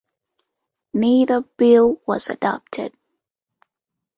Neither bill was adopted.